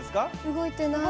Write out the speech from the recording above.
動いてない。